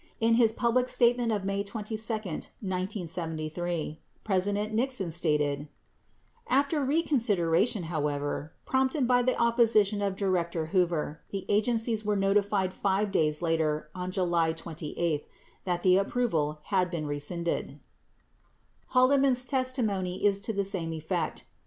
25 In his public statement of May 22, 1973, President Nixon stated : After reconsideration, however, prompted by the opposi tion of Director Hoover, the agencies were notified 5 days later, on July 28, that the approval had been rescinded. Haldeman's testimony is to the same effect.